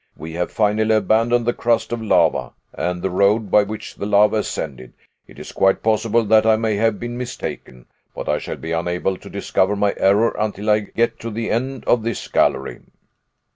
We have finally abandoned the crust of lava and the road by which the lava ascended. It is quite possible that I may have been mistaken, but I shall be unable to discover my error until I get to the end of this gallery."